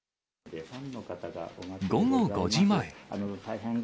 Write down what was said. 午後５時前。